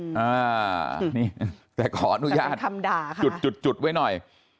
นี่แต่ขออนุญาตจุดไว้หน่อย